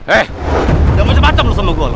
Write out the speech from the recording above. eh jangan macam macam lu sama gua lu